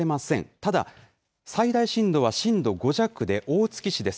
ただ、最大震度は震度５弱で大月市です。